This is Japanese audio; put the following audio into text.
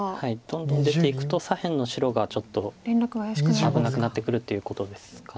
どんどん出ていくと左辺の白がちょっと危なくなってくるっていうことですか。